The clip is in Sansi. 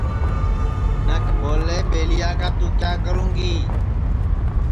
منکھ ٻولے ٻیلیا کا توں کیا کرو گی